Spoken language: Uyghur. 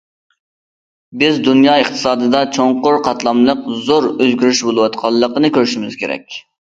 بىز دۇنيا ئىقتىسادىدا چوڭقۇر قاتلاملىق زور ئۆزگىرىش بولۇۋاتقانلىقىنى كۆرۈشىمىز كېرەك.